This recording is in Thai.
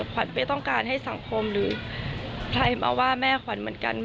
ไม่ต้องการให้สังคมหรือใครมาว่าแม่ขวัญเหมือนกัน